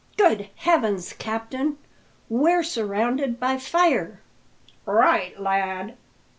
"Good heavens, captain, we're surrounded by fire!" "Right, lad!